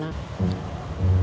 emang kamu dulu kuliahnya dimana